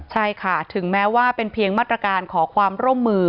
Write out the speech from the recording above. ใช่ค่ะถึงแม้ว่าเป็นเพียงมาตรการขอความร่วมมือ